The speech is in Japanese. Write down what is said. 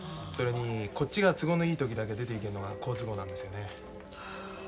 それにこっちが都合のいい時だけ出ていけるのが好都合なんですよね。